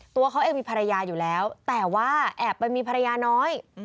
ตัวเขาเองมีภรรยาอยู่แล้วแต่ว่าแอบไปมีภรรยาน้อย